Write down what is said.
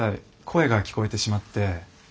声が聞こえてしまって。